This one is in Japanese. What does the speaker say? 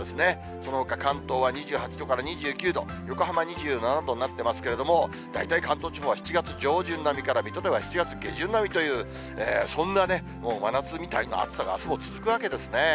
そのほか、関東は２８度から２９度、横浜２７度になってますけれども、大体関東地方は７月上旬並みから、水戸では７月下旬並みという、そんなもう真夏みたいな暑さがあすも続くわけですね。